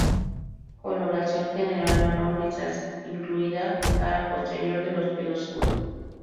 Coloración general marrón grisáceo, incluida cara posterior de los pies oscura.